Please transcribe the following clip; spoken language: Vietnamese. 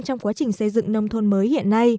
trong quá trình xây dựng